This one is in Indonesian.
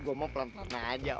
gue mau pelan pelan aja